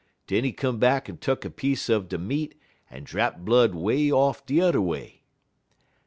Den he come back en tuck a piece er de meat en drap blood 'way off de udder way.